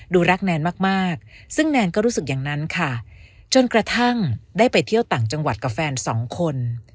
รักแนนมากซึ่งแนนก็รู้สึกอย่างนั้นค่ะจนกระทั่งได้ไปเที่ยวต่างจังหวัดกับแฟนสองคน